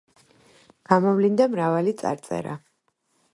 გამოვლინდა მრავალი წარწერა.